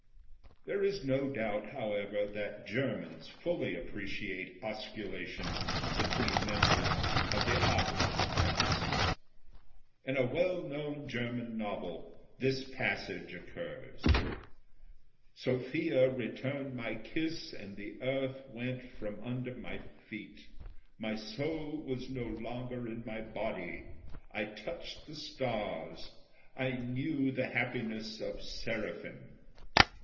There is no doubt, however, that Germans fully appreciate osculation between members of the opposite sex. In a well known German novel, this passage occurs: "Sophia returned my kiss and the earth went from under my feet; my soul was no longer in my body; I touched the stars; I knew the happiness of Seraphim."